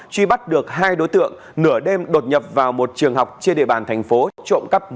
truy bắt được hai đối tượng nửa đêm đột nhập vào một trường học trên địa bàn thành phố trộm cắp một mươi sáu chiếc máy tính sách tay